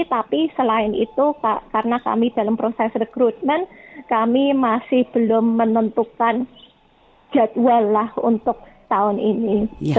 tapi selain itu karena kami dalam proses rekrutmen kami masih belum menentukan jadwal lah untuk tahun ini